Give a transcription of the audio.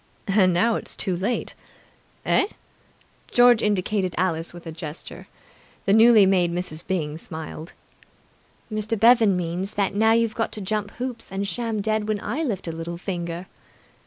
"And now it's too late!" "Eh?" George indicated Alice with a gesture. The newly made Mrs. Byng smiled. "Mr. Bevan means that now you've got to jump through hoops and sham dead when I lift a little finger!"